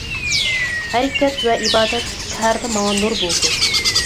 ھەرىكەت ۋە ئىبادەت سەھەردە ماڭا نۇر بولدى.